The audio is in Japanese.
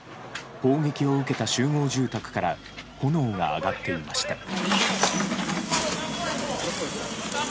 砲撃を受けた集合住宅から炎が上がっていました。